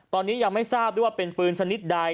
ตอนนี้ยังไม่ทราบเป็นปืนสนิทใด